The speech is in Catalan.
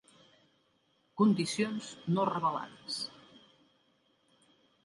Condicions no revelades.